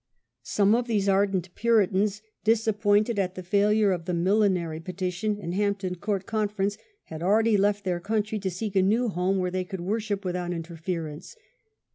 Some of these ardent Puritans, disappointed at the failure of the Mil lenary Petition and Hampton Court Conference, had already left their country to seek a new home where they could worship without interference.